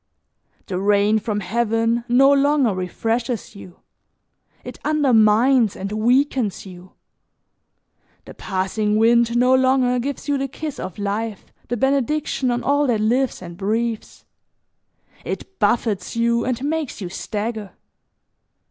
The rain from heaven no longer refreshes you, it undermines and weakens you. The passing wind no longer gives you the kiss of life, the benediction on all that lives and breathes; it buffets you and makes you stagger.